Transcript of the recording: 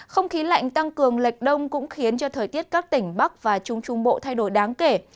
không khí lạnh tăng cường lệch đông cũng khiến cho thời tiết các tỉnh bắc và trung trung bộ thay đổi đáng kể